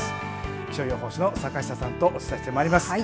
気象予報士の坂下さんとお伝えしてまいります。